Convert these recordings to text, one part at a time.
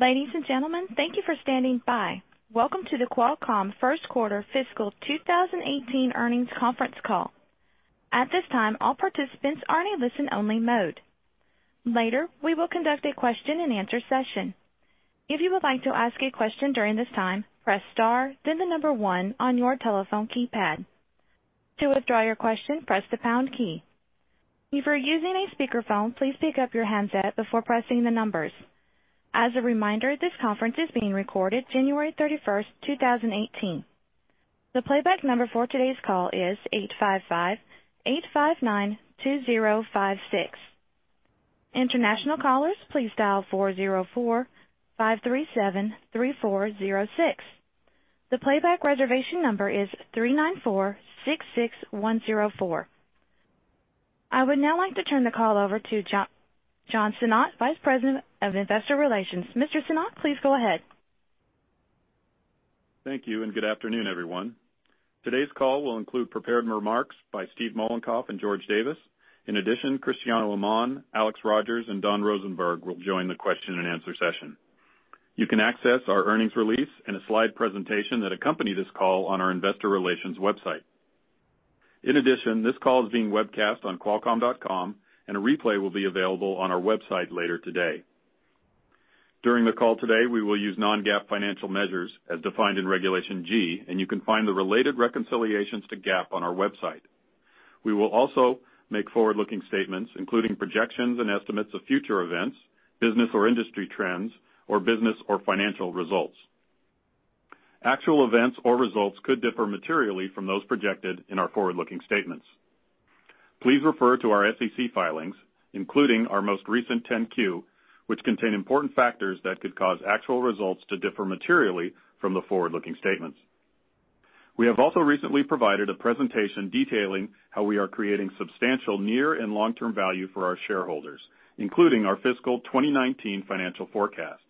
Ladies and gentlemen, thank you for standing by. Welcome to the Qualcomm first quarter fiscal 2018 earnings conference call. At this time, all participants are in a listen-only mode. Later, we will conduct a question and answer session. If you would like to ask a question during this time, press star then the number one on your telephone keypad. To withdraw your question, press the pound key. If you're using a speakerphone, please pick up your handset before pressing the numbers. As a reminder, this conference is being recorded January 31st, 2018. The playback number for today's call is 855-859-2056. International callers, please dial 404-537-3406. The playback reservation number is 39466104. I would now like to turn the call over to John Sinnott, Vice President of Investor Relations. Mr. Sinnott, please go ahead. Thank you. Good afternoon, everyone. Today's call will include prepared remarks by Steve Mollenkopf and George Davis. In addition, Cristiano Amon, Alex Rogers, and Don Rosenberg will join the question and answer session. You can access our earnings release and a slide presentation that accompany this call on our investor relations website. In addition, this call is being webcast on qualcomm.com, and a replay will be available on our website later today. During the call today, we will use non-GAAP financial measures as defined in Regulation G, and you can find the related reconciliations to GAAP on our website. We will also make forward-looking statements, including projections and estimates of future events, business or industry trends, or business or financial results. Actual events or results could differ materially from those projected in our forward-looking statements. Please refer to our SEC filings, including our most recent 10-Q, which contain important factors that could cause actual results to differ materially from the forward-looking statements. We have also recently provided a presentation detailing how we are creating substantial near and long-term value for our shareholders, including our fiscal 2019 financial forecast.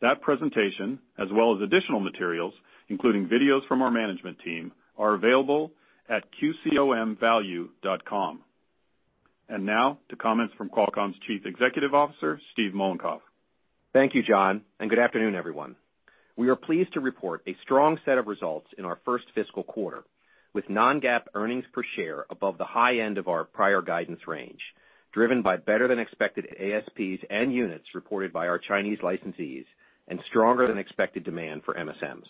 That presentation, as well as additional materials, including videos from our management team, are available at qcomvalue.com. Now to comments from Qualcomm's Chief Executive Officer, Steve Mollenkopf. Thank you, John, and good afternoon, everyone. We are pleased to report a strong set of results in our first fiscal quarter, with non-GAAP earnings per share above the high end of our prior guidance range, driven by better than expected ASPs and units reported by our Chinese licensees and stronger than expected demand for MSMs.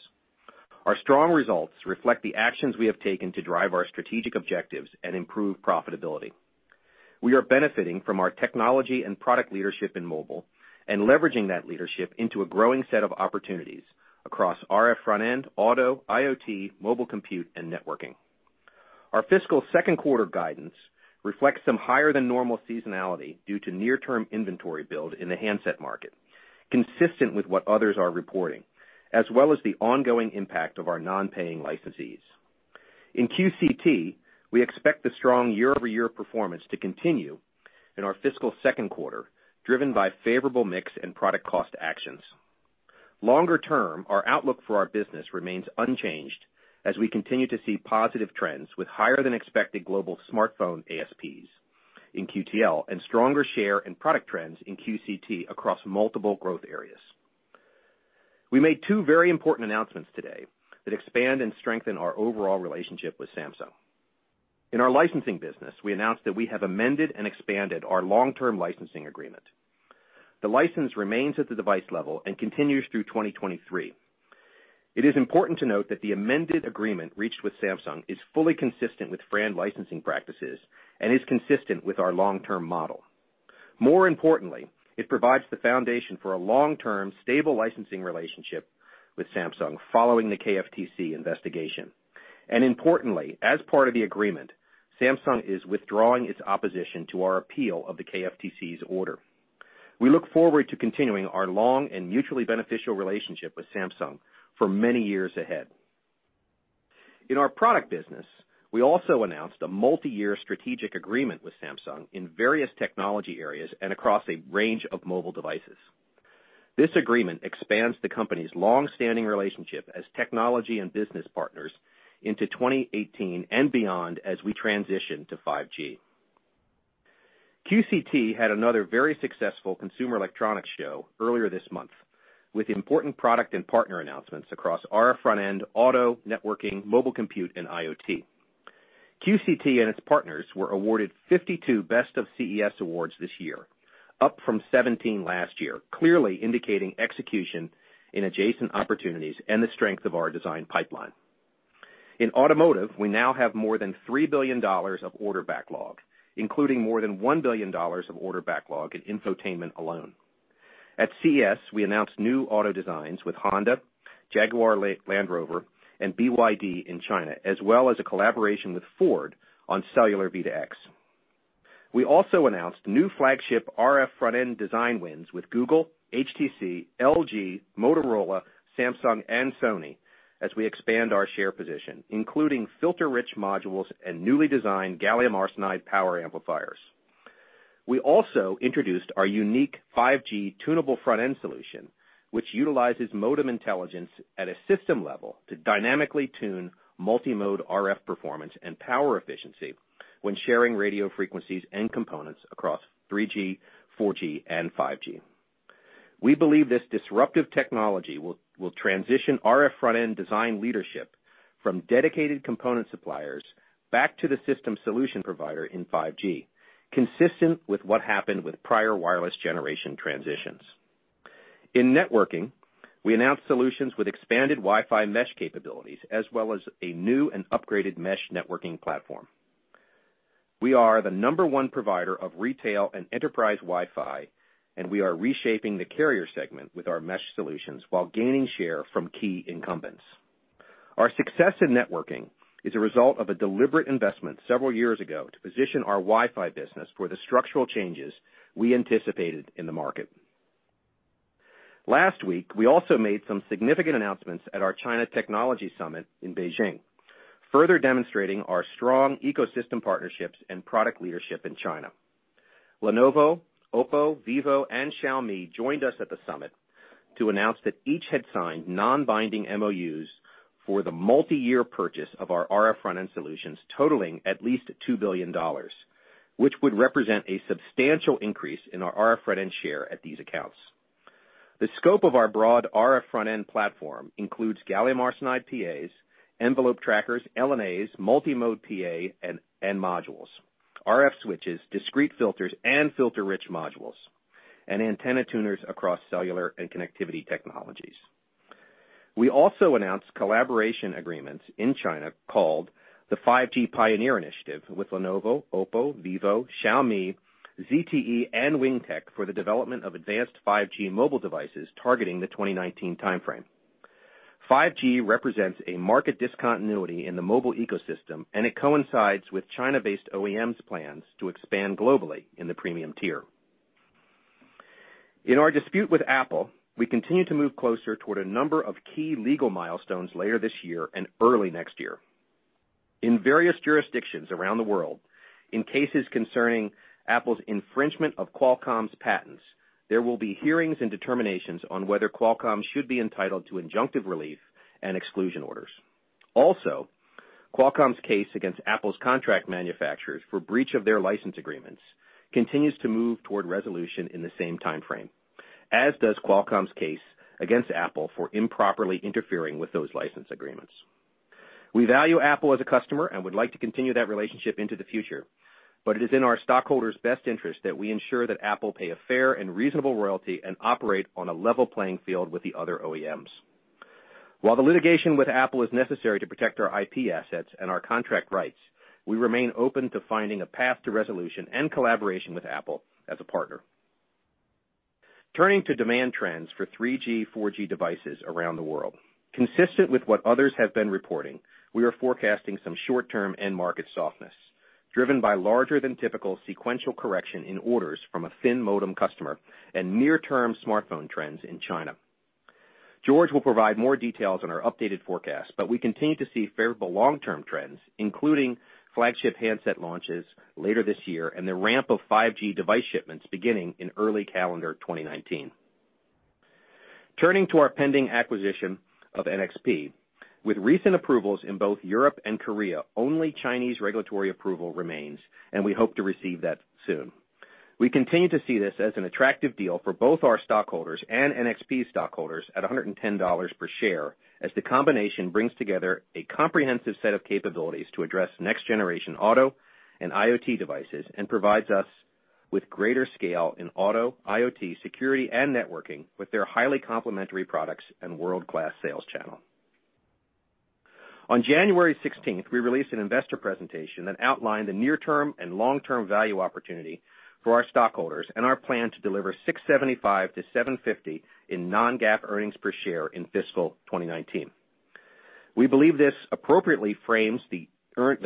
Our strong results reflect the actions we have taken to drive our strategic objectives and improve profitability. We are benefiting from our technology and product leadership in mobile and leveraging that leadership into a growing set of opportunities across RF front end, auto, IoT, mobile compute, and networking. Our fiscal second quarter guidance reflects some higher than normal seasonality due to near-term inventory build in the handset market, consistent with what others are reporting, as well as the ongoing impact of our non-paying licensees. In QCT, we expect the strong year-over-year performance to continue in our fiscal second quarter, driven by favorable mix and product cost actions. Longer term, our outlook for our business remains unchanged as we continue to see positive trends with higher than expected global smartphone ASPs in QTL and stronger share and product trends in QCT across multiple growth areas. We made two very important announcements today that expand and strengthen our overall relationship with Samsung. In our licensing business, we announced that we have amended and expanded our long-term licensing agreement. The license remains at the device level and continues through 2023. It is important to note that the amended agreement reached with Samsung is fully consistent with FRAND licensing practices and is consistent with our long-term model. More importantly, it provides the foundation for a long-term, stable licensing relationship with Samsung following the KFTC investigation. Importantly, as part of the agreement, Samsung is withdrawing its opposition to our appeal of the KFTC's order. We look forward to continuing our long and mutually beneficial relationship with Samsung for many years ahead. In our product business, we also announced a multiyear strategic agreement with Samsung in various technology areas and across a range of mobile devices. This agreement expands the company's long-standing relationship as technology and business partners into 2018 and beyond as we transition to 5G. QCT had another very successful Consumer Electronics Show earlier this month with important product and partner announcements across RF front end, auto, networking, mobile compute, and IoT. QCT and its partners were awarded 52 Best of CES awards this year, up from 17 last year, clearly indicating execution in adjacent opportunities and the strength of our design pipeline. In automotive, we now have more than $3 billion of order backlog, including more than $1 billion of order backlog in infotainment alone. At CES, we announced new auto designs with Honda, Jaguar Land Rover, and BYD in China, as well as a collaboration with Ford on cellular V2X. We also announced new flagship RF front end design wins with Google, HTC, LG, Motorola, Samsung, and Sony as we expand our share position, including filter-rich modules and newly designed gallium arsenide power amplifiers. We also introduced our unique 5G tunable front end solution, which utilizes modem intelligence at a system level to dynamically tune multi-mode RF performance and power efficiency when sharing radio frequencies and components across 3G, 4G, and 5G. We believe this disruptive technology will transition RF front-end design leadership from dedicated component suppliers back to the system solution provider in 5G, consistent with what happened with prior wireless generation transitions. In networking, we announced solutions with expanded Wi-Fi mesh capabilities, as well as a new and upgraded mesh networking platform. We are the number one provider of retail and enterprise Wi-Fi, and we are reshaping the carrier segment with our mesh solutions while gaining share from key incumbents. Our success in networking is a result of a deliberate investment several years ago to position our Wi-Fi business for the structural changes we anticipated in the market. Last week, we also made some significant announcements at our China Technology Summit in Beijing, further demonstrating our strong ecosystem partnerships and product leadership in China. Lenovo, OPPO, vivo, and Xiaomi joined us at the summit to announce that each had signed non-binding MOUs for the multi-year purchase of our RF front-end solutions totaling at least $2 billion, which would represent a substantial increase in our RF front-end share at these accounts. The scope of our broad RF front-end platform includes gallium arsenide PAs, envelope trackers, LNAs, PAMiD modules, RF switches, discrete filters, and filter-rich modules, and antenna tuners across cellular and connectivity technologies. We also announced collaboration agreements in China called the 5G Pioneer Initiative with Lenovo, OPPO, vivo, Xiaomi, ZTE, and Wingtech for the development of advanced 5G mobile devices targeting the 2019 timeframe. 5G represents a market discontinuity in the mobile ecosystem, it coincides with China-based OEMs plans to expand globally in the premium tier. In our dispute with Apple, we continue to move closer toward a number of key legal milestones later this year and early next year. In various jurisdictions around the world, in cases concerning Apple's infringement of Qualcomm's patents, there will be hearings and determinations on whether Qualcomm should be entitled to injunctive relief and exclusion orders. Also, Qualcomm's case against Apple's contract manufacturers for breach of their license agreements continues to move toward resolution in the same timeframe, as does Qualcomm's case against Apple for improperly interfering with those license agreements. We value Apple as a customer and would like to continue that relationship into the future, it is in our stockholders' best interest that we ensure that Apple pay a fair and reasonable royalty and operate on a level playing field with the other OEMs. While the litigation with Apple is necessary to protect our IP assets and our contract rights, we remain open to finding a path to resolution and collaboration with Apple as a partner. Turning to demand trends for 3G, 4G devices around the world. Consistent with what others have been reporting, we are forecasting some short-term end market softness, driven by larger than typical sequential correction in orders from a thin modem customer and near-term smartphone trends in China. George will provide more details on our updated forecast, we continue to see favorable long-term trends, including flagship handset launches later this year and the ramp of 5G device shipments beginning in early calendar 2019. Turning to our pending acquisition of NXP. With recent approvals in both Europe and Korea, only Chinese regulatory approval remains, we hope to receive that soon. We continue to see this as an attractive deal for both our stockholders and NXP stockholders at $110 per share as the combination brings together a comprehensive set of capabilities to address next-generation auto and IoT devices and provides us with greater scale in auto, IoT, security, and networking with their highly complementary products and world-class sales channel. On January 16th, we released an investor presentation that outlined the near-term and long-term value opportunity for our stockholders and our plan to deliver $6.75 to $7.50 in non-GAAP earnings per share in fiscal 2019. We believe this appropriately frames the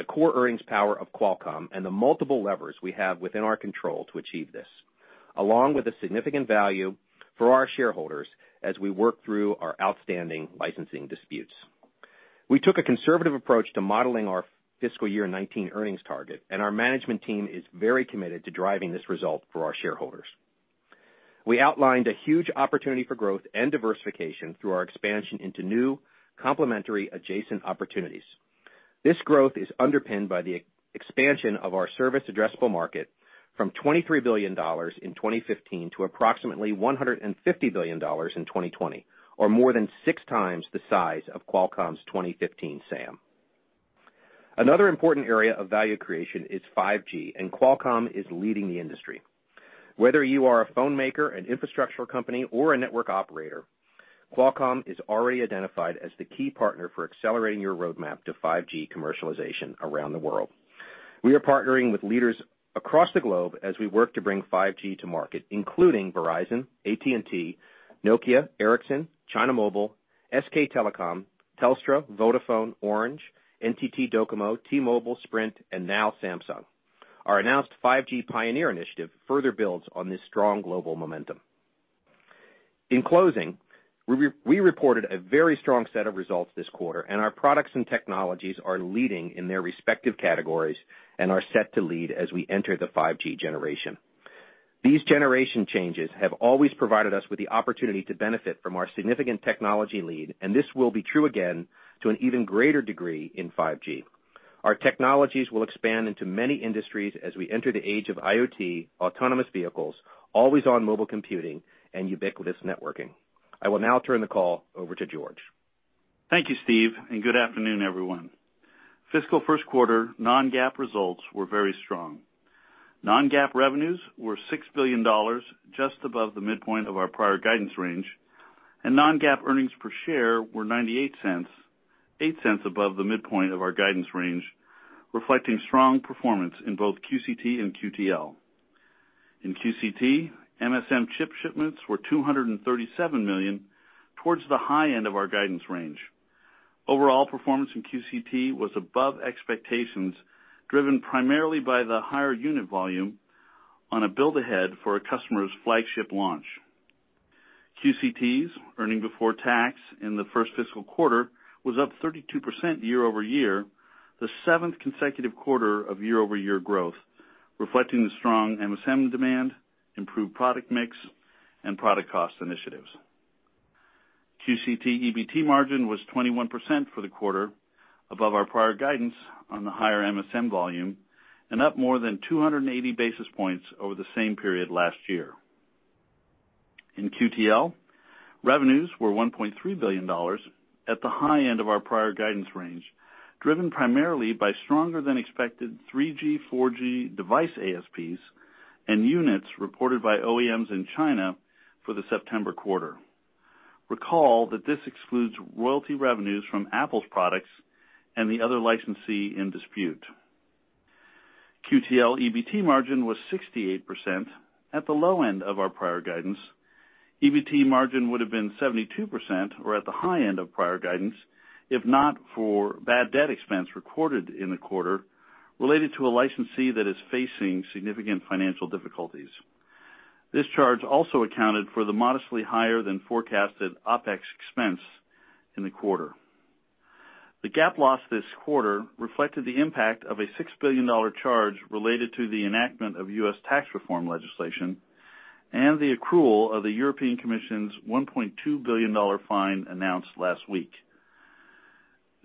core earnings power of Qualcomm and the multiple levers we have within our control to achieve this, along with a significant value for our shareholders as we work through our outstanding licensing disputes. We took a conservative approach to modeling our fiscal year 2019 earnings target. Our management team is very committed to driving this result for our shareholders. We outlined a huge opportunity for growth and diversification through our expansion into new complementary adjacent opportunities. This growth is underpinned by the expansion of our service addressable market from $23 billion in 2015 to approximately $150 billion in 2020, or more than six times the size of Qualcomm's 2015 SAM. Another important area of value creation is 5G. Qualcomm is leading the industry. Whether you are a phone maker, an infrastructure company, a network operator, Qualcomm is already identified as the key partner for accelerating your roadmap to 5G commercialization around the world. We are partnering with leaders across the globe as we work to bring 5G to market, including Verizon, AT&T, Nokia, Ericsson, China Mobile, SK Telecom, Telstra, Vodafone, Orange, NTT Docomo, T-Mobile, Sprint, and now Samsung. Our announced 5G Pioneer Initiative further builds on this strong global momentum. In closing, we reported a very strong set of results this quarter. Our products and technologies are leading in their respective categories and are set to lead as we enter the 5G generation. These generation changes have always provided us with the opportunity to benefit from our significant technology lead. This will be true again to an even greater degree in 5G. Our technologies will expand into many industries as we enter the age of IoT, autonomous vehicles, always-on mobile computing, and ubiquitous networking. I will now turn the call over to George. Thank you, Steve. Good afternoon, everyone. Fiscal first quarter non-GAAP results were very strong. Non-GAAP revenues were $6 billion, just above the midpoint of our prior guidance range. Non-GAAP earnings per share were $0.98, $0.08 above the midpoint of our guidance range, reflecting strong performance in both QCT and QTL. In QCT, MSM chip shipments were 237 million, towards the high end of our guidance range. Overall performance in QCT was above expectations, driven primarily by the higher unit volume on a build ahead for a customer's flagship launch. QCT's earnings before tax in the first fiscal quarter was up 32% year-over-year, the seventh consecutive quarter of year-over-year growth, reflecting the strong MSM demand, improved product mix, and product cost initiatives. QCT EBT margin was 21% for the quarter, above our prior guidance on the higher MSM volume and up more than 280 basis points over the same period last year. In QTL, revenues were $1.3 billion, at the high end of our prior guidance range, driven primarily by stronger than expected 3G, 4G device ASPs and units reported by OEMs in China for the September quarter. Recall that this excludes royalty revenues from Apple's products and the other licensee in dispute. QTL EBT margin was 68%, at the low end of our prior guidance. EBT margin would've been 72%, or at the high end of prior guidance, if not for bad debt expense recorded in the quarter related to a licensee that is facing significant financial difficulties. This charge also accounted for the modestly higher than forecasted OPEX expense in the quarter. The GAAP loss this quarter reflected the impact of a $6 billion charge related to the enactment of U.S. tax reform legislation and the accrual of the European Commission's $1.2 billion fine announced last week.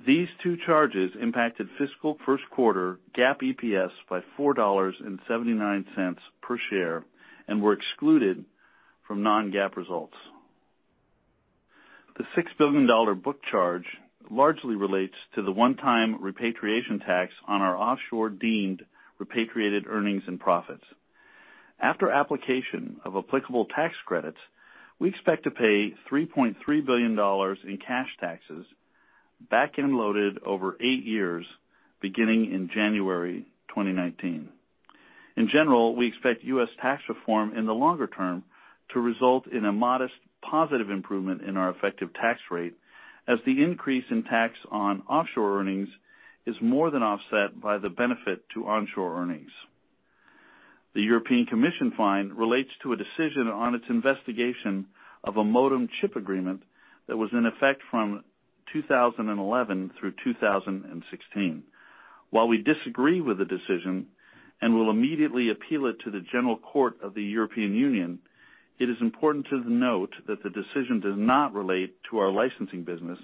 These two charges impacted fiscal first quarter GAAP EPS by $4.79 per share and were excluded from non-GAAP results. The $6 billion book charge largely relates to the one-time repatriation tax on our offshore deemed repatriated earnings and profits. After application of applicable tax credits, we expect to pay $3.3 billion in cash taxes, back-end loaded over eight years, beginning in January 2019. In general, we expect U.S. tax reform in the longer term to result in a modest positive improvement in our effective tax rate as the increase in tax on offshore earnings is more than offset by the benefit to onshore earnings. The European Commission fine relates to a decision on its investigation of a modem chip agreement that was in effect from 2011 through 2016. While we disagree with the decision and will immediately appeal it to the general court of the European Union, it is important to note that the decision does not relate to our licensing business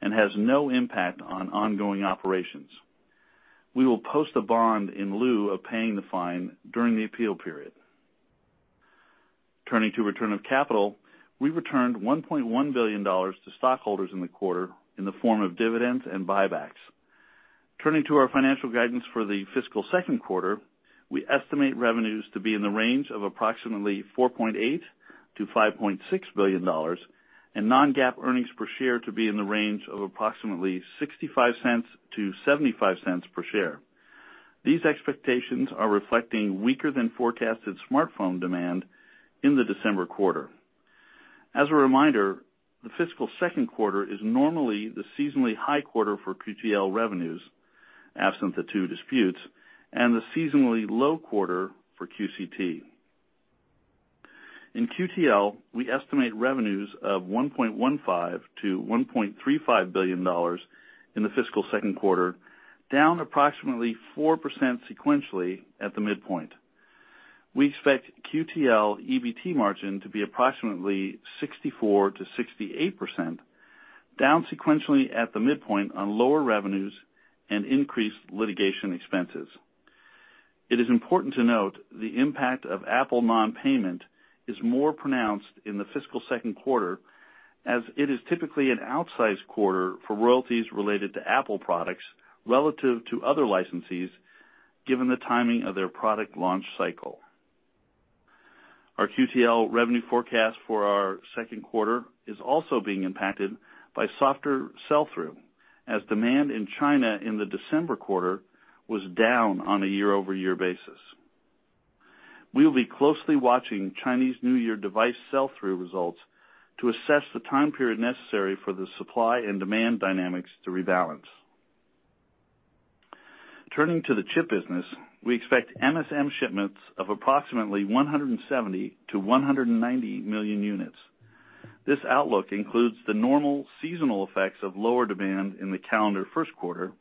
and has no impact on ongoing operations. We will post a bond in lieu of paying the fine during the appeal period. Turning to return of capital, we returned $1.1 billion to stockholders in the quarter in the form of dividends and buybacks. Turning to our financial guidance for the fiscal second quarter, we estimate revenues to be in the range of approximately $4.8 billion-$5.6 billion and non-GAAP earnings per share to be in the range of approximately $0.65-$0.75 per share. These expectations are reflecting weaker than forecasted smartphone demand in the December quarter. As a reminder, the fiscal second quarter is normally the seasonally high quarter for QTL revenues, absent the two disputes, and the seasonally low quarter for QCT. In QTL, we estimate revenues of $1.15 billion-$1.35 billion in the fiscal second quarter, down approximately 4% sequentially at the midpoint. We expect QTL EBT margin to be approximately 64%-68%, down sequentially at the midpoint on lower revenues and increased litigation expenses. It is important to note the impact of Apple non-payment is more pronounced in the fiscal second quarter, as it is typically an outsized quarter for royalties related to Apple products relative to other licensees, given the timing of their product launch cycle. Our QTL revenue forecast for our second quarter is also being impacted by softer sell-through, as demand in China in the December quarter was down on a year-over-year basis. We will be closely watching Chinese New Year device sell-through results to assess the time period necessary for the supply and demand dynamics to rebalance. Turning to the chip business, we expect MSM shipments of approximately 170-190 million units. This outlook includes the normal seasonal effects of lower demand in the calendar first quarter,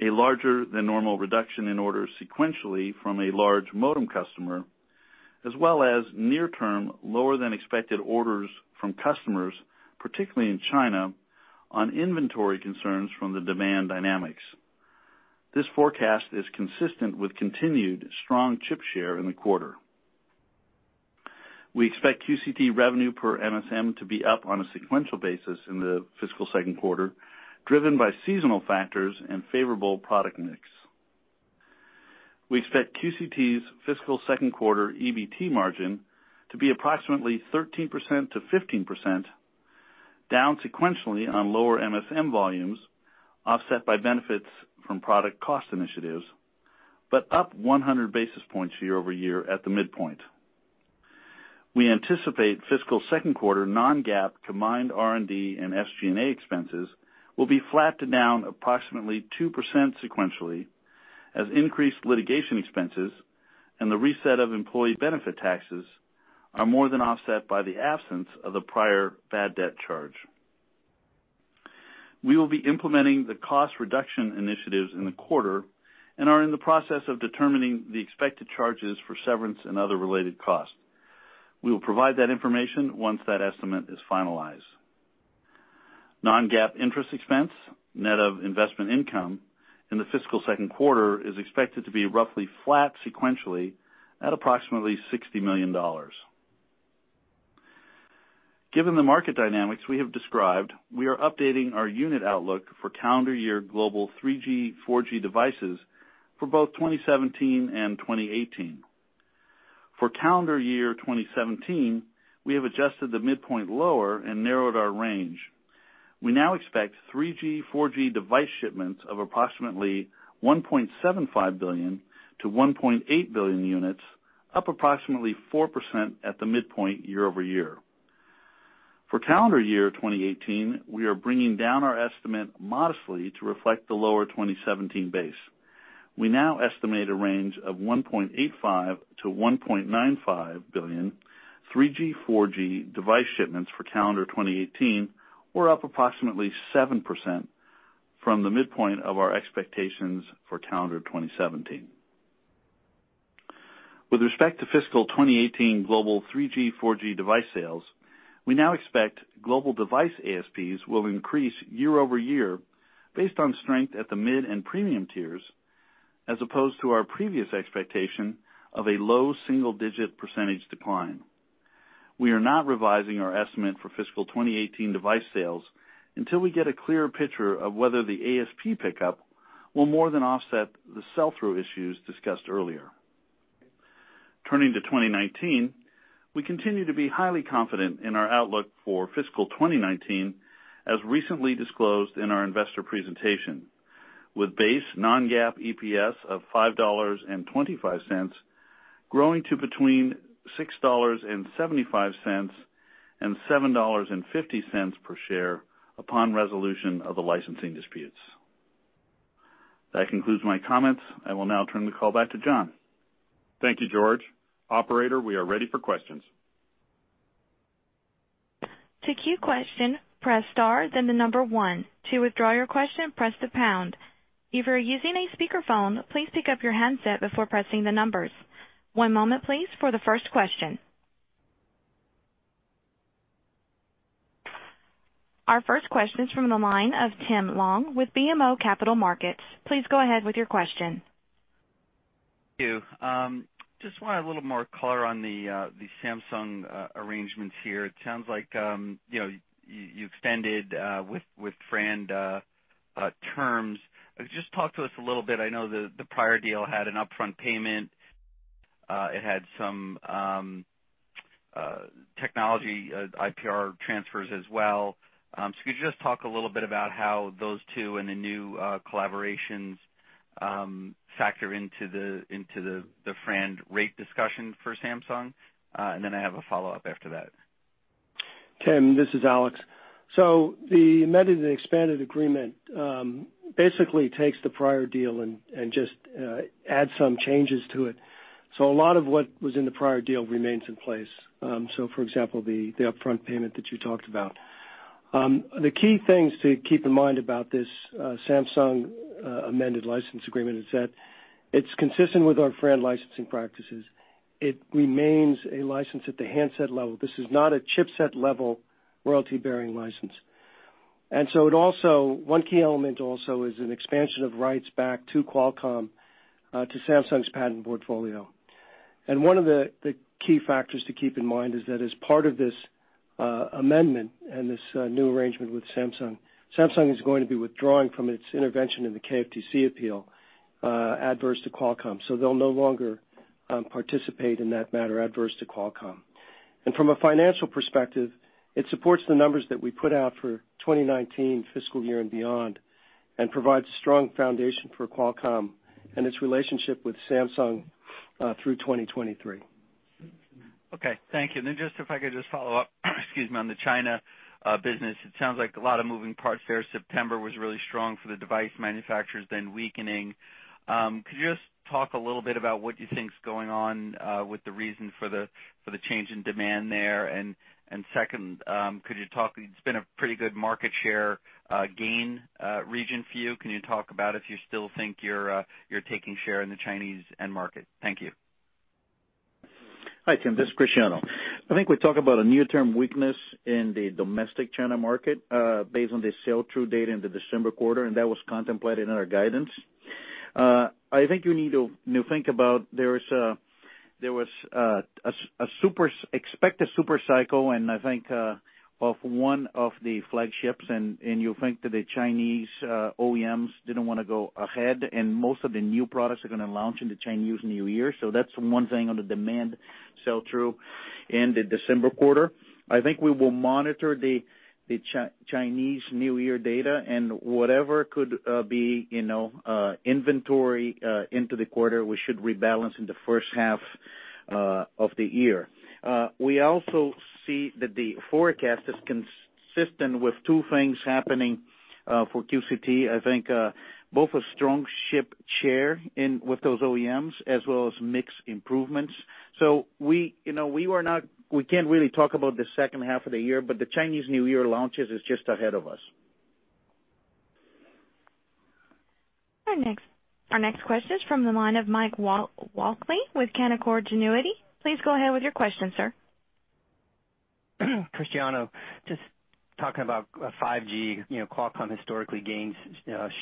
a larger than normal reduction in orders sequentially from a large modem customer, as well as near term lower than expected orders from customers, particularly in China, on inventory concerns from the demand dynamics. This forecast is consistent with continued strong chip share in the quarter. We expect QCT revenue per MSM to be up on a sequential basis in the fiscal second quarter, driven by seasonal factors and favorable product mix. We expect QCT's fiscal second quarter EBT margin to be approximately 13%-15%, down sequentially on lower MSM volumes, offset by benefits from product cost initiatives, but up 100 basis points year-over-year at the midpoint. We anticipate fiscal second quarter non-GAAP combined R&D and SG&A expenses will be flat to down approximately 2% sequentially, as increased litigation expenses and the reset of employee benefit taxes are more than offset by the absence of the prior bad debt charge. We will be implementing the cost reduction initiatives in the quarter and are in the process of determining the expected charges for severance and other related costs. We will provide that information once that estimate is finalized. Non-GAAP interest expense, net of investment income, in the fiscal second quarter is expected to be roughly flat sequentially at approximately $60 million. Given the market dynamics we have described, we are updating our unit outlook for calendar year global 3G, 4G devices for both 2017 and 2018. For calendar year 2017, we have adjusted the midpoint lower and narrowed our range. We now expect 3G, 4G device shipments of approximately 1.75 billion-1.8 billion units, up approximately 4% at the midpoint year-over-year. For calendar year 2018, we are bringing down our estimate modestly to reflect the lower 2017 base. We now estimate a range of 1.85 billion-1.95 billion 3G, 4G device shipments for calendar 2018 or up approximately 7% from the midpoint of our expectations for calendar 2017. With respect to fiscal 2018 global 3G, 4G device sales, we now expect global device ASPs will increase year-over-year based on strength at the mid and premium tiers, as opposed to our previous expectation of a low single-digit percentage decline. We are not revising our estimate for fiscal 2018 device sales until we get a clearer picture of whether the ASP pickup will more than offset the sell-through issues discussed earlier. Turning to 2019, we continue to be highly confident in our outlook for fiscal 2019, as recently disclosed in our investor presentation, with base non-GAAP EPS of $5.25 growing to between $6.75 and $7.50 per share upon resolution of the licensing disputes. That concludes my comments. I will now turn the call back to John. Thank you, George. Operator, we are ready for questions. To queue question, press star, then the number one. To withdraw your question, press the pound. If you're using a speakerphone, please pick up your handset before pressing the numbers. One moment, please, for the first question. Our first question is from the line of Tim Long with BMO Capital Markets. Please go ahead with your question. Thank you. Just want a little more color on the Samsung arrangements here. It sounds like you extended with FRAND terms. Just talk to us a little bit, I know the prior deal had an upfront payment. It had some technology IPR transfers as well. Could you just talk a little bit about how those two and the new collaborations factor into the FRAND rate discussion for Samsung? I have a follow-up after that. Tim, this is Alex. The amended and expanded agreement basically takes the prior deal and just adds some changes to it. A lot of what was in the prior deal remains in place. For example, the upfront payment that you talked about. The key things to keep in mind about this Samsung amended license agreement is that it's consistent with our FRAND licensing practices. It remains a license at the handset level. This is not a chipset-level royalty-bearing license. One key element also is an expansion of rights back to Qualcomm to Samsung's patent portfolio. One of the key factors to keep in mind is that as part of this amendment and this new arrangement with Samsung is going to be withdrawing from its intervention in the KFTC appeal adverse to Qualcomm. They'll no longer participate in that matter adverse to Qualcomm. From a financial perspective, it supports the numbers that we put out for 2019 fiscal year and beyond and provides a strong foundation for Qualcomm and its relationship with Samsung through 2023. Okay, thank you. If I could just follow up, excuse me, on the China business. It sounds like a lot of moving parts there. September was really strong for the device manufacturers, then weakening. Could you just talk a little bit about what you think's going on with the reason for the change in demand there? Second, it's been a pretty good market share gain region for you. Can you talk about if you still think you're taking share in the Chinese end market? Thank you. Hi, Tim. This is Cristiano. I think we talk about a near-term weakness in the domestic China market based on the sell-through data in the December quarter, and that was contemplated in our guidance. I think you need to think about there was an expected super cycle, and I think of one of the flagships, and you'll think that the Chinese OEMs didn't want to go ahead, and most of the new products are going to launch in the Chinese New Year. That's one thing on the demand sell-through in the December quarter. I think we will monitor the Chinese New Year data and whatever could be inventory into the quarter, we should rebalance in the first half of the year. We also see that the forecast is consistent with two things happening for QCT. I think both a strong ship share with those OEMs, as well as mix improvements. We can't really talk about the second half of the year, but the Chinese New Year launches is just ahead of us. Our next question is from the line of Mike Walkley with Canaccord Genuity. Please go ahead with your question, sir. Cristiano, just talking about 5G, Qualcomm historically gains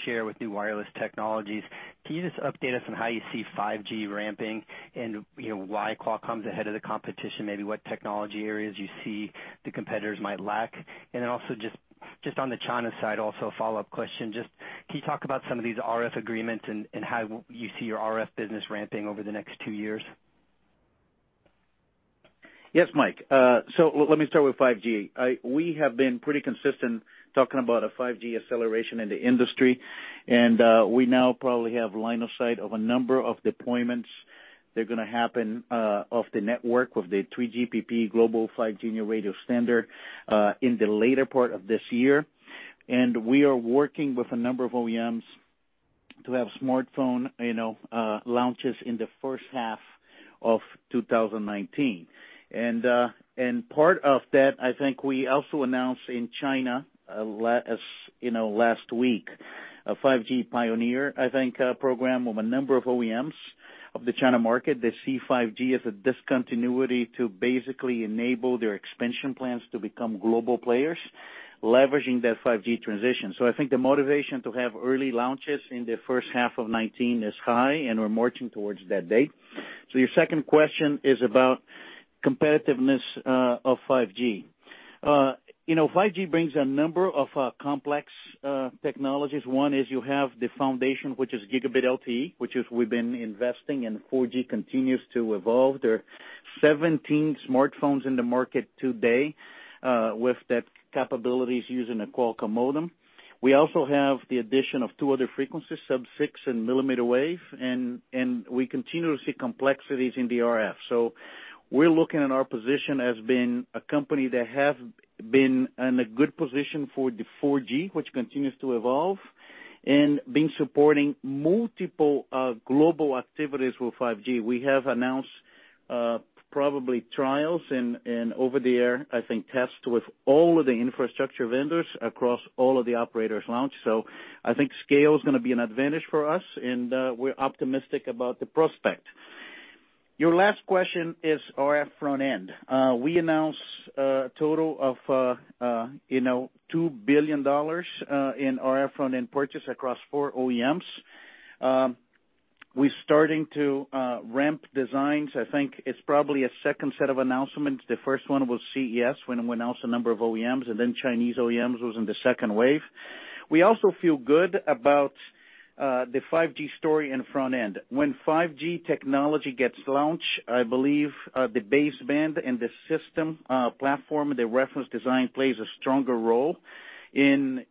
share with new wireless technologies. Can you just update us on how you see 5G ramping and why Qualcomm's ahead of the competition? Maybe what technology areas you see the competitors might lack? Also just on the China side, also a follow-up question. Can you talk about some of these RF agreements and how you see your RF business ramping over the next two years? Yes, Mike. Let me start with 5G. We have been pretty consistent talking about a 5G acceleration in the industry, and we now probably have line of sight of a number of deployments that are going to happen of the network of the 3GPP global 5G radio standard in the later part of this year. We are working with a number of OEMs to have smartphone launches in the first half of 2019. Part of that, I think we also announced in China last week, a 5G Pioneer program of a number of OEMs of the China market. They see 5G as a discontinuity to basically enable their expansion plans to become global players, leveraging that 5G transition. I think the motivation to have early launches in the first half of '19 is high, and we're marching towards that date. Your second question is about competitiveness of 5G. 5G brings a number of complex technologies. One is you have the foundation, which is Gigabit LTE, which we've been investing in 4G, continues to evolve. There are 17 smartphones in the market today with that capabilities using a Qualcomm modem. We also have the addition of two other frequencies, sub-6 and millimeter wave. We continue to see complexities in the RF. We're looking at our position as being a company that have been in a good position for the 4G, which continues to evolve, and been supporting multiple global activities with 5G. We have announced probably trials and over-the-air, I think tests with all of the infrastructure vendors across all of the operators launch. I think scale is going to be an advantage for us, and we're optimistic about the prospect. Your last question is RF front-end. We announced a total of $2 billion in RF front-end purchase across 4 OEMs. We're starting to ramp designs. I think it's probably a second set of announcements. The first one was CES, when we announced a number of OEMs. Chinese OEMs was in the second wave. We also feel good about the 5G story in front-end. When 5G technology gets launched, I believe the baseband and the system platform, the reference design plays a stronger role in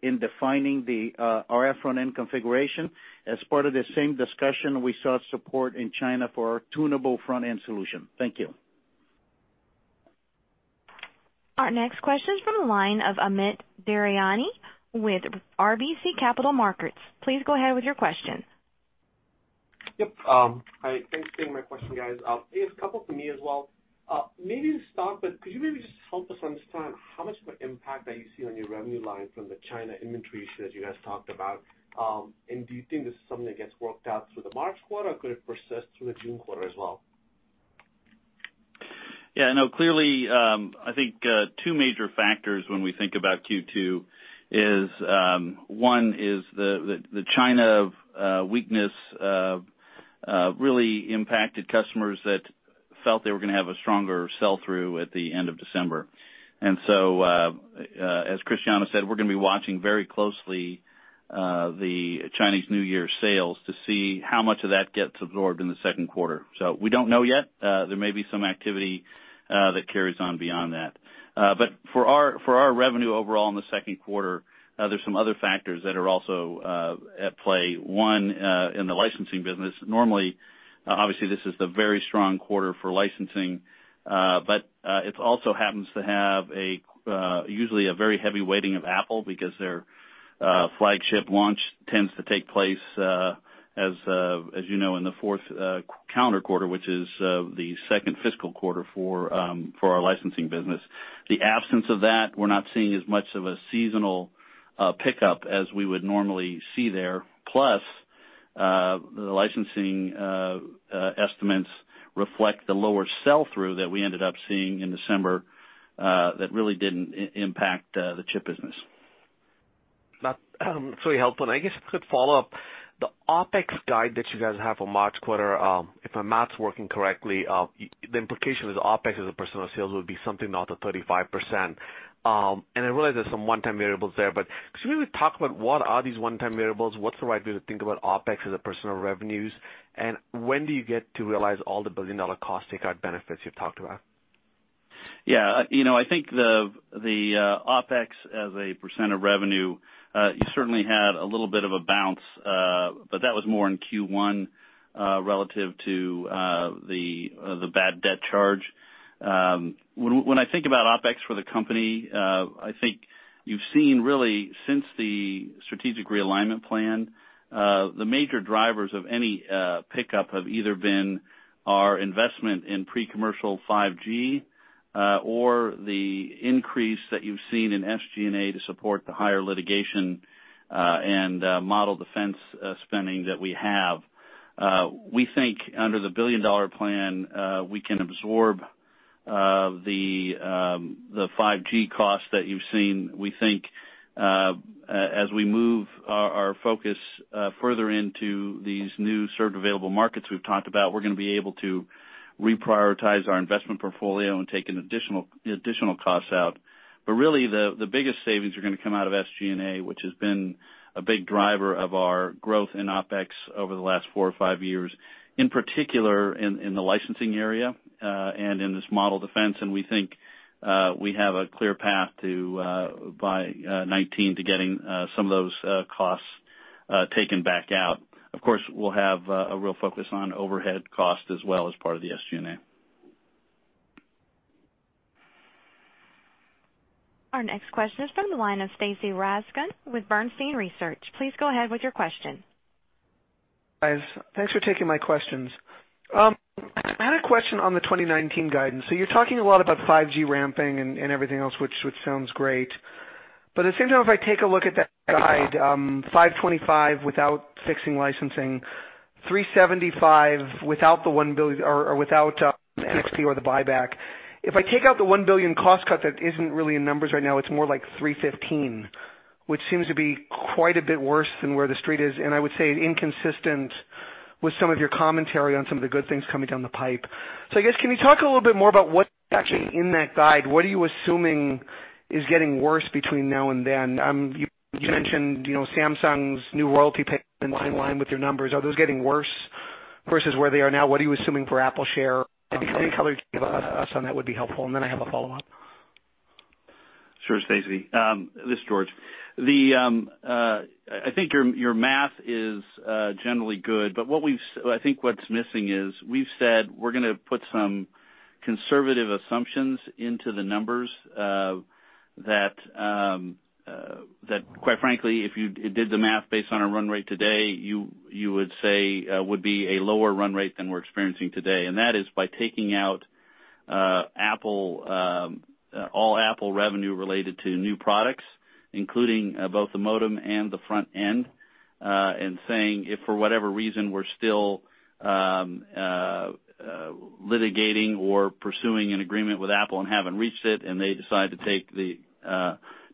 defining the RF front-end configuration. As part of the same discussion, we saw support in China for our tunable front-end solution. Thank you. Our next question is from the line of Amit Daryanani with RBC Capital Markets. Please go ahead with your question. Yep. Hi, thanks for taking my question, guys. I have a couple for me as well. Maybe to start, could you maybe just help us understand how much of an impact that you see on your revenue line from the China inventory issue that you guys talked about? Do you think this is something that gets worked out through the March quarter, or could it persist through the June quarter as well? Yeah, no, clearly, I think 2 major factors when we think about Q2 is, one is the China weakness really impacted customers that felt they were going to have a stronger sell-through at the end of December. As Cristiano said, we're going to be watching very closely the Chinese New Year sales to see how much of that gets absorbed in the second quarter. We don't know yet. There may be some activity that carries on beyond that. For our revenue overall in the second quarter, there's some other factors that are also at play. One, in the licensing business, normally, obviously, this is the very strong quarter for licensing, but it also happens to have usually a very heavy weighting of Apple because their flagship launch tends to take place, as you know, in the fourth calendar quarter, which is the second fiscal quarter for our licensing business. The absence of that, we're not seeing as much of a seasonal pickup as we would normally see there. The licensing estimates reflect the lower sell-through that we ended up seeing in December that really didn't impact the chip business. That's very helpful. I guess if I could follow up, the OpEx guide that you guys have for March quarter, if my math's working correctly, the implication is OpEx as a percent of sales would be something north of 35%. I realize there's some one-time variables there, but could you maybe talk about what are these one-time variables? What's the right way to think about OpEx as a percent of revenues? When do you get to realize all the billion-dollar cost take-out benefits you've talked about? Yeah. I think the OpEx as a percent of revenue, you certainly had a little bit of a bounce, but that was more in Q1, relative to the bad debt charge. When I think about OpEx for the company, I think you've seen really since the strategic realignment plan, the major drivers of any pickup have either been our investment in pre-commercial 5G or the increase that you've seen in SG&A to support the higher litigation and model defense spending that we have. We think under the billion-dollar plan, we can absorb the 5G costs that you've seen. We think, as we move our focus further into these new served available markets we've talked about, we're gonna be able to reprioritize our investment portfolio and take additional costs out. Really, the biggest savings are gonna come out of SG&A, which has been a big driver of our growth in OpEx over the last four or five years, in particular, in the licensing area, and in this model defense. We think, we have a clear path by 2019 to getting some of those costs taken back out. Of course, we'll have a real focus on overhead cost as well as part of the SG&A. Our next question is from the line of Stacy Rasgon with Bernstein Research. Please go ahead with your question. Guys, thanks for taking my questions. I had a question on the 2019 guidance. You're talking a lot about 5G ramping and everything else, which sounds great. At the same time, if I take a look at that guide, $525 without fixing licensing, $375 without NXP or the buyback. If I take out the $1 billion cost cut that isn't really in numbers right now, it's more like $315, which seems to be quite a bit worse than where the street is, and I would say inconsistent with some of your commentary on some of the good things coming down the pipe. Can you talk a little bit more about what's actually in that guide? What are you assuming is getting worse between now and then? You mentioned Samsung's new royalty payments in line with your numbers. Are those getting worse versus where they are now? What are you assuming for Apple share? Any color you can give us on that would be helpful. I have a follow-up. Sure, Stacy. This is George. I think your math is generally good. I think what's missing is we've said we're gonna put some conservative assumptions into the numbers, that quite frankly, if you did the math based on a run rate today, you would say would be a lower run rate than we're experiencing today. That is by taking out all Apple revenue related to new products, including both the modem and the front end, and saying, if for whatever reason, we're still litigating or pursuing an agreement with Apple and haven't reached it, and they decide to take the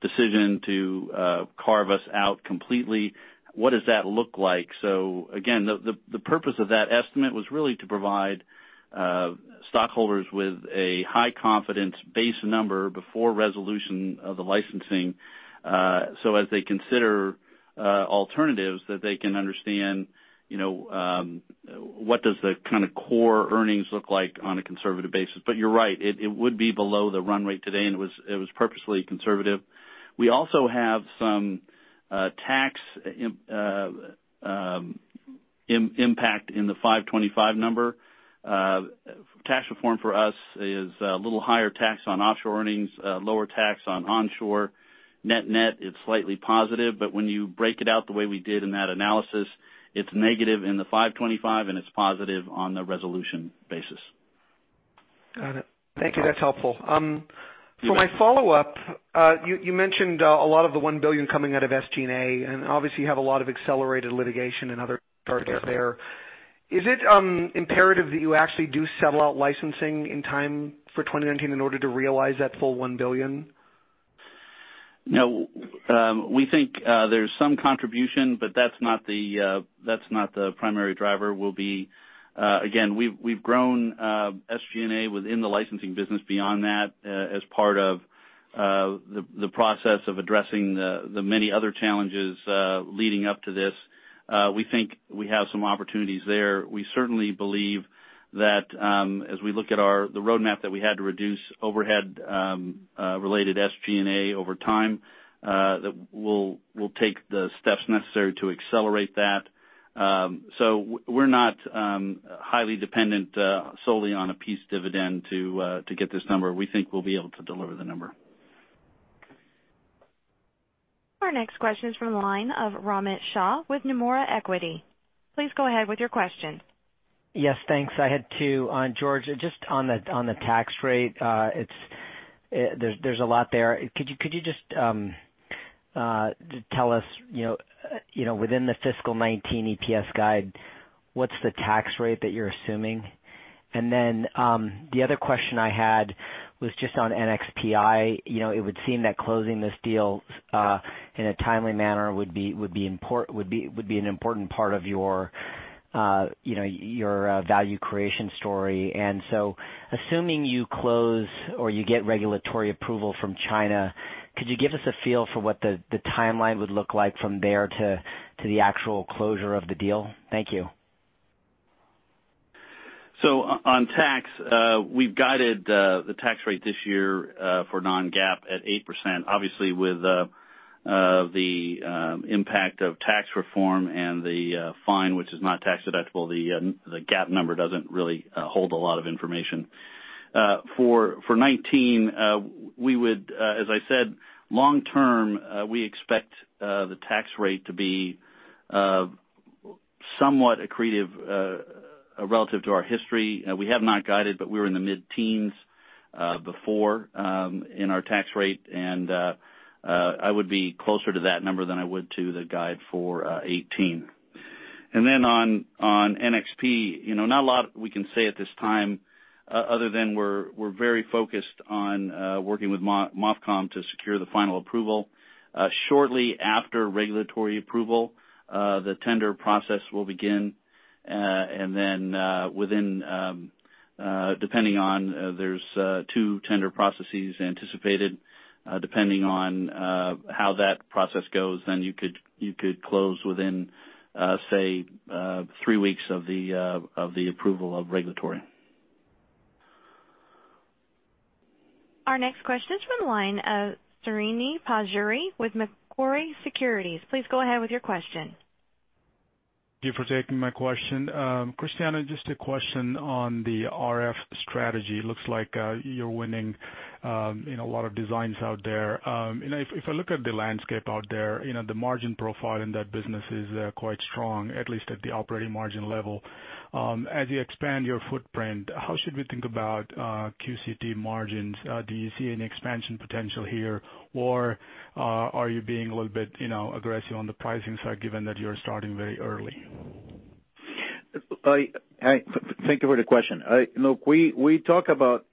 decision to carve us out completely, what does that look like? Again, the purpose of that estimate was really to provide stockholders with a high-confidence base number before resolution of the licensing, as they consider alternatives that they can understand what does the core earnings look like on a conservative basis. You're right. It would be below the run rate today, and it was purposely conservative. We also have some tax impact in the 525 number. Tax reform for us is a little higher tax on offshore earnings, lower tax on onshore. Net-net, it's slightly positive, but when you break it out the way we did in that analysis, it's negative in the 525 and it's positive on the resolution basis. Got it. Thank you. That's helpful. For my follow-up, you mentioned a lot of the $1 billion coming out of SG&A, and obviously, you have a lot of accelerated litigation and other targets there. Is it imperative that you actually do settle out licensing in time for 2019 in order to realize that full $1 billion? No. We think there's some contribution, but that's not the primary driver. Again, we've grown SG&A within the licensing business beyond that as part of the process of addressing the many other challenges leading up to this. We think we have some opportunities there. We certainly believe that as we look at the roadmap that we had to reduce overhead-related SG&A over time, that we'll take the steps necessary to accelerate that. We're not highly dependent solely on a peace dividend to get this number. We think we'll be able to deliver the number. Our next question is from the line of Romit Shah with Nomura Instinet. Please go ahead with your question. Yes, thanks. I had two on George Davis, just on the tax rate, there's a lot there. Could you just tell us within the fiscal 2019 EPS guide, what's the tax rate that you're assuming? The other question I had was just on NXPI. It would seem that closing this deal in a timely manner would be an important part of your value creation story. Assuming you close or you get regulatory approval from China, could you give us a feel for what the timeline would look like from there to the actual closure of the deal? Thank you. On tax, we've guided the tax rate this year for non-GAAP at 8%. Obviously, with the impact of tax reform and the fine, which is not tax deductible, the GAAP number doesn't really hold a lot of information. For 2019, as I said, long term, we expect the tax rate to be somewhat accretive relative to our history. We have not guided, but we were in the mid-teens before in our tax rate, and I would be closer to that number than I would to the guide for 2018. On NXP, not a lot we can say at this time other than we're very focused on working with MOFCOM to secure the final approval. Shortly after regulatory approval, the tender process will begin. There's two tender processes anticipated. Depending on how that process goes, you could close within, say, three weeks of the approval of regulatory. Our next question is from the line of Srini Pajjuri with Macquarie Securities. Please go ahead with your question. Thank you for taking my question. Cristiano, just a question on the RF strategy. Looks like you're winning a lot of designs out there. If I look at the landscape out there, the margin profile in that business is quite strong, at least at the operating margin level. As you expand your footprint, how should we think about QCT margins? Do you see any expansion potential here, or are you being a little bit aggressive on the pricing side given that you're starting very early? Thank you for the question. Look, we talk about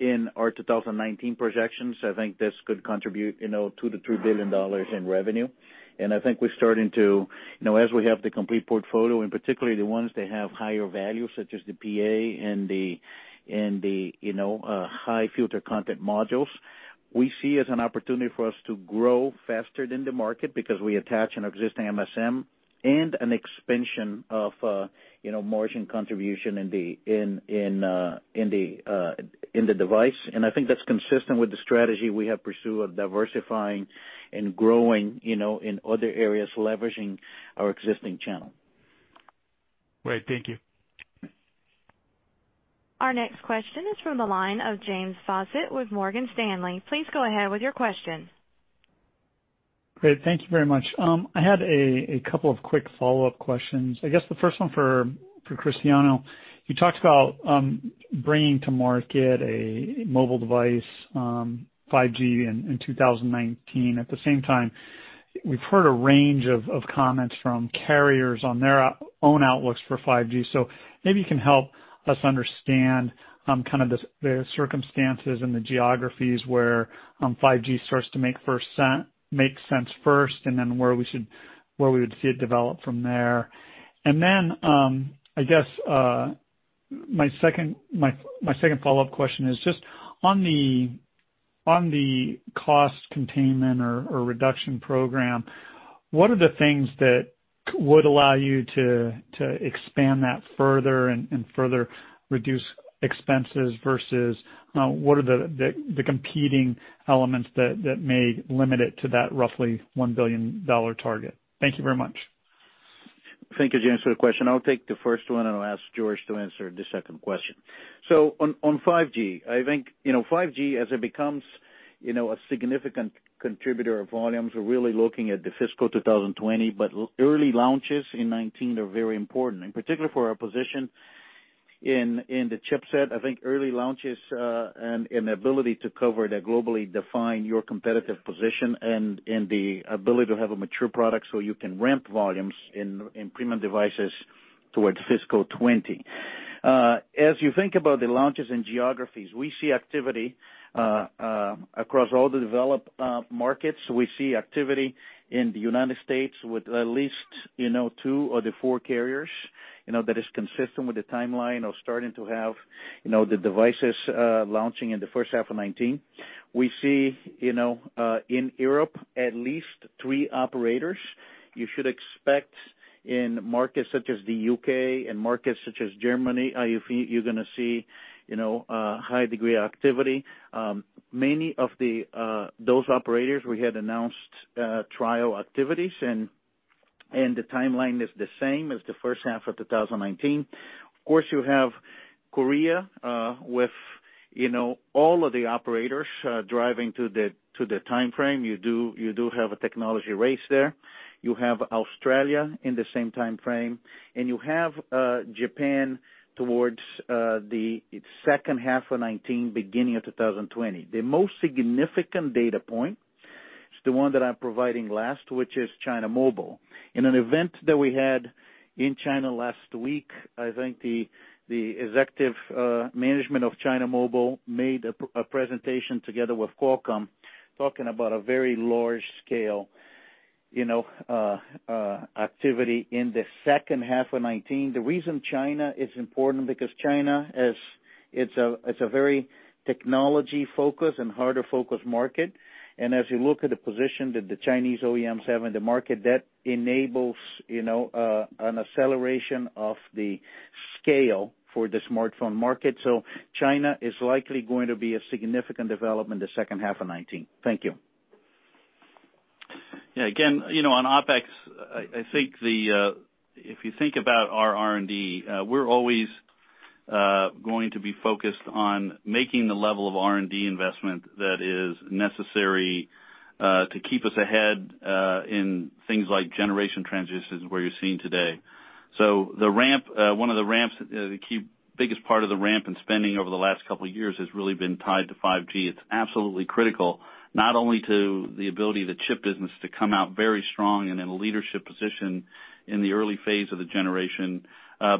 in our 2019 projections, I think this could contribute $2 billion-$3 billion in revenue. I think as we have the complete portfolio, and particularly the ones that have higher value, such as the PA and the high filter content modules, we see as an opportunity for us to grow faster than the market because we attach an existing MSM and an expansion of margin contribution in the device. I think that's consistent with the strategy we have pursued of diversifying and growing in other areas, leveraging our existing channel. Great. Thank you. Our next question is from the line of James Fawcett with Morgan Stanley. Please go ahead with your question. Great. Thank you very much. I had a couple of quick follow-up questions. I guess the first one for Cristiano, you talked about bringing to market a mobile device 5G in 2019. At the same time, we've heard a range of comments from carriers on their own outlooks for 5G. Maybe you can help us understand kind of the circumstances and the geographies where 5G starts to make sense first, and then where we would see it develop from there. I guess my second follow-up question is just on the cost containment or reduction program, what are the things that would allow you to expand that further and further reduce expenses versus what are the competing elements that may limit it to that roughly $1 billion target? Thank you very much. Thank you, James, for the question. I'll take the first one, and I'll ask George to answer the second question. On 5G, I think 5G as it becomes a significant contributor of volumes, we're really looking at the fiscal 2020, but early launches in 2019 are very important, in particular for our position in the chipset. I think early launches and the ability to cover that globally define your competitive position and the ability to have a mature product so you can ramp volumes in premium devices towards fiscal 2020. As you think about the launches and geographies, we see activity across all the developed markets. We see activity in the United States with at least two of the four carriers that is consistent with the timeline of starting to have the devices launching in the first half of 2019. We see in Europe, at least three operators. You should expect in markets such as the U.K. and markets such as Germany, you're going to see high degree of activity. Many of those operators we had announced trial activities and the timeline is the same as the first half of 2019. Of course, you have Korea with all of the operators driving to the timeframe. You do have a technology race there. You have Australia in the same timeframe, and you have Japan towards the second half of 2019, beginning of 2020. The most significant data point is the one that I'm providing last, which is China Mobile. In an event that we had in China last week, I think the executive management of China Mobile made a presentation together with Qualcomm talking about a very large scale activity in the second half of 2019. The reason China is important because China, it's a very technology-focused and harder-focused market. As you look at the position that the Chinese OEMs have in the market, that enables an acceleration of the scale for the smartphone market. China is likely going to be a significant development the second half of 2019. Thank you. Again, on OpEx, if you think about our R&D, we're always going to be focused on making the level of R&D investment that is necessary to keep us ahead in things like generation transitions where you're seeing today. One of the biggest part of the ramp in spending over the last couple of years has really been tied to 5G. It's absolutely critical, not only to the ability of the chip business to come out very strong and in a leadership position in the early phase of the generation,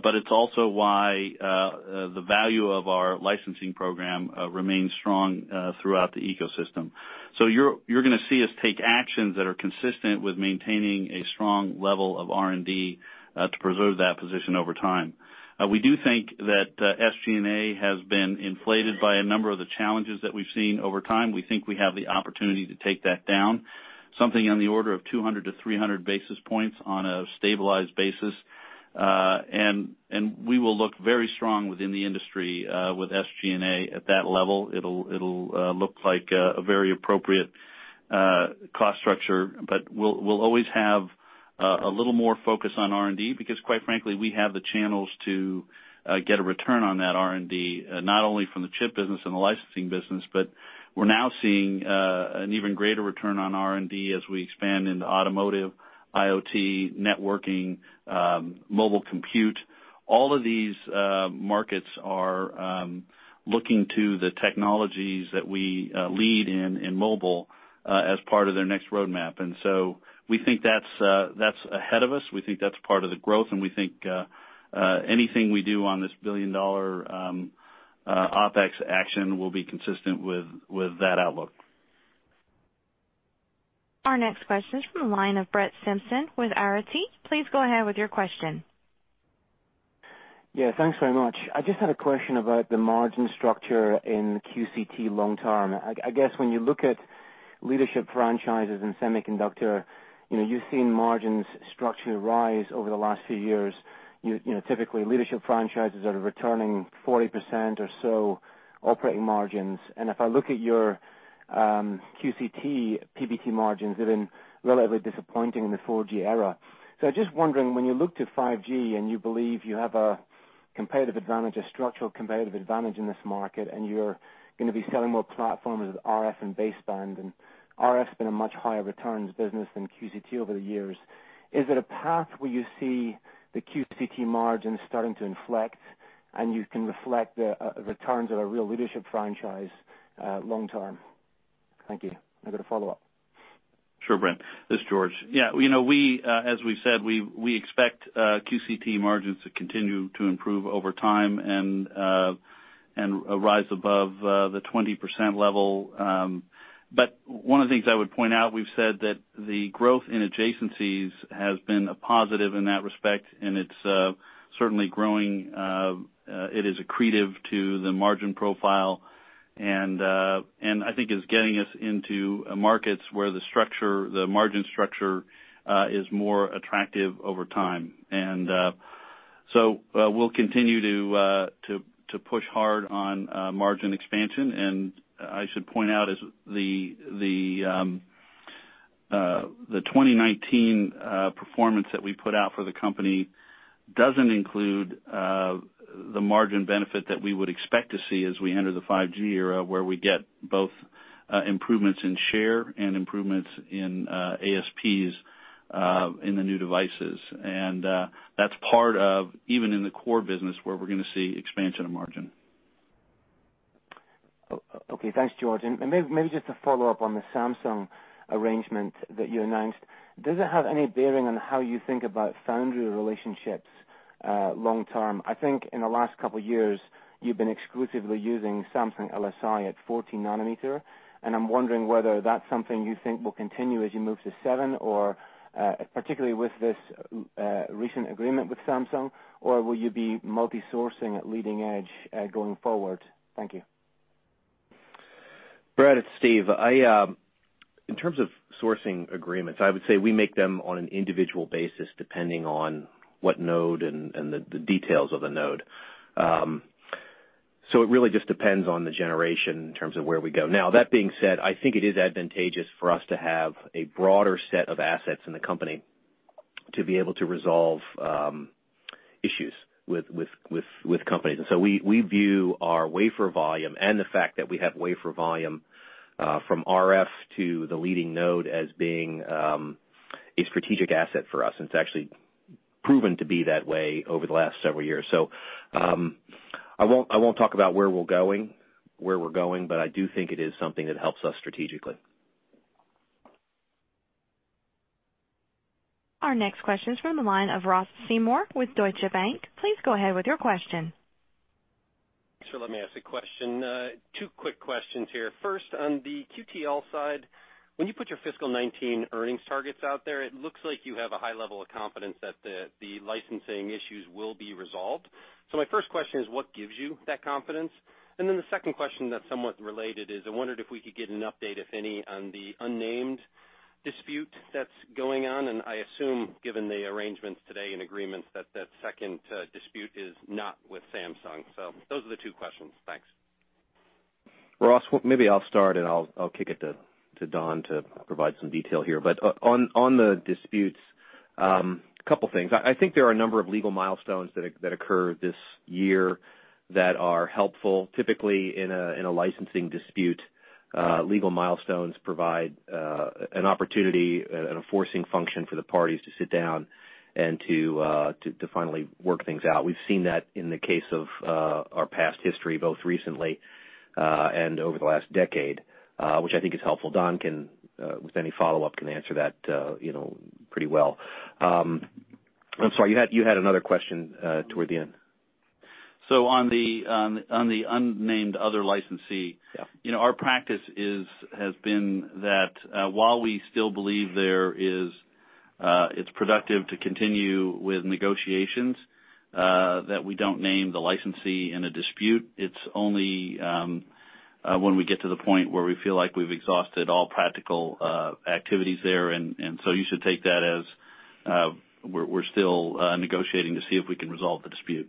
but it's also why the value of our licensing program remains strong throughout the ecosystem. You're going to see us take actions that are consistent with maintaining a strong level of R&D to preserve that position over time. We do think that SG&A has been inflated by a number of the challenges that we've seen over time. We think we have the opportunity to take that down, something on the order of 200 to 300 basis points on a stabilized basis. We will look very strong within the industry with SG&A at that level. It'll look like a very appropriate cost structure, but we'll always have a little more focus on R&D because quite frankly, we have the channels to get a return on that R&D, not only from the chip business and the licensing business, but we're now seeing an even greater return on R&D as we expand into automotive, IoT, networking, mobile compute. All of these markets are looking to the technologies that we lead in mobile as part of their next roadmap. We think that's ahead of us. We think that's part of the growth. We think anything we do on this billion-dollar OpEx action will be consistent with that outlook. Our next question is from the line of Brett Simpson with Arete Research. Please go ahead with your question. Yeah, thanks very much. I just had a question about the margin structure in QCT long term. I guess when you look at leadership franchises in semiconductor, you've seen margins structure rise over the last few years. Typically, leadership franchises are returning 40% or so operating margins. If I look at your QCT PBT margins, they've been relatively disappointing in the 4G era. I'm just wondering, when you look to 5G and you believe you have a competitive advantage, a structural competitive advantage in this market, and you're going to be selling more platforms with RF and baseband, and RF's been a much higher returns business than QCT over the years. Is it a path where you see the QCT margins starting to inflect and you can reflect the returns of a real leadership franchise long term? Thank you. I've got a follow-up. Sure, Brett. This is George. Yeah, as we've said, we expect QCT margins to continue to improve over time and rise above the 20% level. One of the things I would point out, we've said that the growth in adjacencies has been a positive in that respect, and it's certainly growing. It is accretive to the margin profile and I think is getting us into markets where the margin structure is more attractive over time. We'll continue to push hard on margin expansion. I should point out the 2019 performance that we put out for the company doesn't include the margin benefit that we would expect to see as we enter the 5G era, where we get both improvements in share and improvements in ASPs in the new devices. That's part of even in the core business where we're going to see expansion of margin. Okay. Thanks, George. Maybe just a follow-up on the Samsung arrangement that you announced. Does it have any bearing on how you think about foundry relationships long term? I think in the last couple of years, you've been exclusively using Samsung LSI at 14 nanometer, and I'm wondering whether that's something you think will continue as you move to seven, particularly with this recent agreement with Samsung, or will you be multi-sourcing at leading edge going forward? Thank you. Brett, it's Steve. In terms of sourcing agreements, I would say we make them on an individual basis depending on what node and the details of the node. It really just depends on the generation in terms of where we go. Now that being said, I think it is advantageous for us to have a broader set of assets in the company to be able to resolve issues with companies. We view our wafer volume and the fact that we have wafer volume from RF to the leading node as being a strategic asset for us. It's actually proven to be that way over the last several years. I won't talk about where we're going, but I do think it is something that helps us strategically. Our next question is from the line of Ross Seymore with Deutsche Bank. Please go ahead with your question. Thanks for letting me ask a question. Two quick questions here. First, on the QTL side, when you put your fiscal 2019 earnings targets out there, it looks like you have a high level of confidence that the licensing issues will be resolved. My first question is: What gives you that confidence? The second question that's somewhat related is, I wondered if we could get an update, if any, on the unnamed dispute that's going on, and I assume given the arrangements today and agreements that that second dispute is not with Samsung. Those are the two questions. Thanks. Ross, maybe I'll start and I'll kick it to Don to provide some detail here. On the disputes, couple things. I think there are a number of legal milestones that occur this year that are helpful. Typically, in a licensing dispute, legal milestones provide an opportunity and a forcing function for the parties to sit down and to finally work things out. We've seen that in the case of our past history, both recently, and over the last decade, which I think is helpful. Don can, with any follow-up, can answer that pretty well. I'm sorry, you had another question toward the end. On the unnamed other licensee- Yeah Our practice has been that while we still believe it's productive to continue with negotiations, that we don't name the licensee in a dispute. It's only when we get to the point where we feel like we've exhausted all practical activities there, you should take that as we're still negotiating to see if we can resolve the dispute.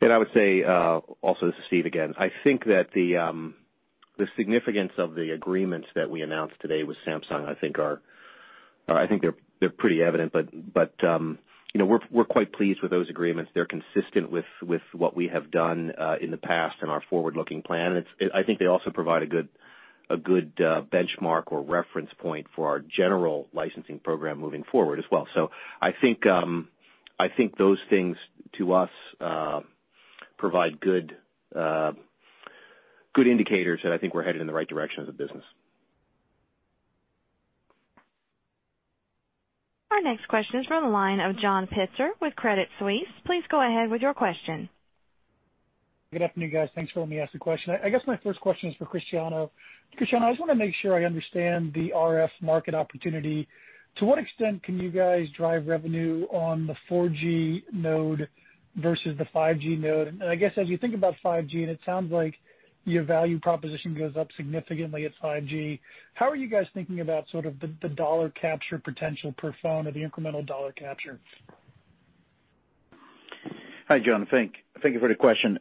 I would say, also this is Steve again, I think that the significance of the agreements that we announced today with Samsung, I think they're pretty evident, but we're quite pleased with those agreements. They're consistent with what we have done in the past and our forward-looking plan. I think they also provide a good benchmark or reference point for our general licensing program moving forward as well. I think those things to us provide good indicators that I think we're headed in the right direction as a business. Our next question is from the line of John Pitzer with Credit Suisse. Please go ahead with your question. Good afternoon, guys. Thanks for letting me ask the question. I guess my first question is for Cristiano. Cristiano, I just want to make sure I understand the RF market opportunity. To what extent can you guys drive revenue on the 4G node versus the 5G node? I guess as you think about 5G, and it sounds like your value proposition goes up significantly at 5G, how are you guys thinking about sort of the dollar capture potential per phone or the incremental dollar capture? Hi, John. Thank you for the question.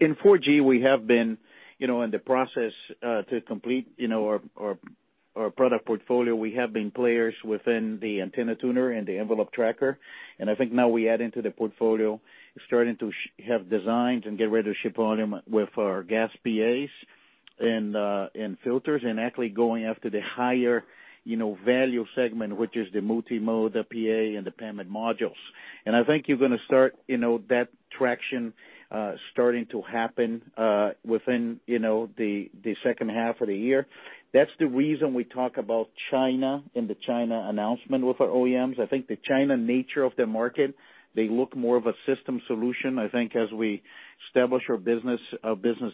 In 4G we have been in the process to complete our product portfolio. We have been players within the antenna tuner and the envelope tracker, I think now we add into the portfolio, starting to have designs and get ready to ship volume with our GaAs PAs and filters and actually going after the higher value segment, which is the multi-mode, the PA, and the PAMiD modules. I think you're gonna start that traction starting to happen within the second half of the year. That's the reason we talk about China in the China announcement with our OEMs. I think the China nature of the market, they look more of a system solution. I think as we establish our business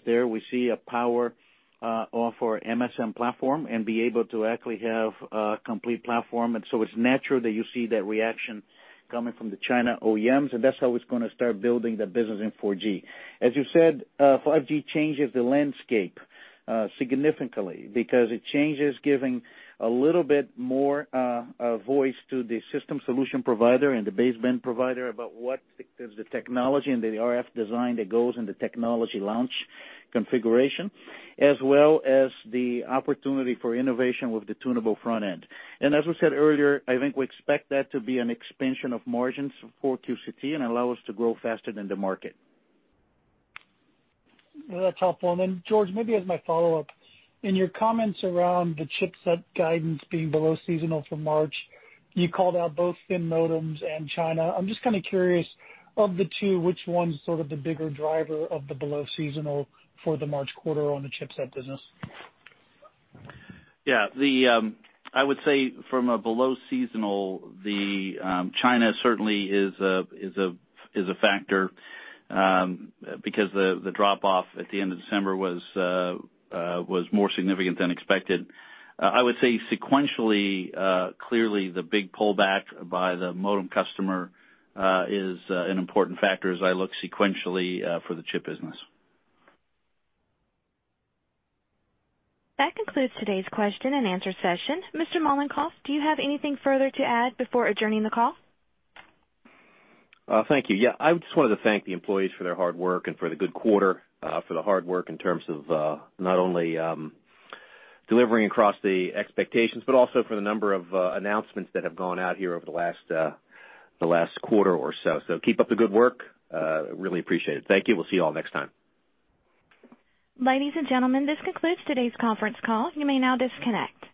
there, we see a power of our MSM platform and be able to actually have a complete platform. It's natural that you see that reaction coming from the China OEMs, and that's how it's gonna start building the business in 4G. As you said, 5G changes the landscape significantly because it changes giving a little bit more voice to the system solution provider and the baseband provider about what is the technology and the RF design that goes in the technology launch configuration, as well as the opportunity for innovation with the tunable front end. As I said earlier, I think we expect that to be an expansion of margins for QCT and allow us to grow faster than the market. That's helpful. George, maybe as my follow-up, in your comments around the chipset guidance being below seasonal for March, you called out both thin modems and China. I'm just kind of curious, of the two, which one's sort of the bigger driver of the below seasonal for the March quarter on the chipset business? Yeah. I would say from a below seasonal, China certainly is a factor because the drop-off at the end of December was more significant than expected. I would say sequentially, clearly the big pullback by the modem customer is an important factor as I look sequentially for the chip business. That concludes today's question-and-answer session. Mr. Mollenkopf, do you have anything further to add before adjourning the call? Thank you. Yeah, I just wanted to thank the employees for their hard work and for the good quarter, for the hard work in terms of not only delivering across the expectations, but also for the number of announcements that have gone out here over the last quarter or so. Keep up the good work. Really appreciate it. Thank you. We'll see you all next time. Ladies and gentlemen, this concludes today's conference call. You may now disconnect.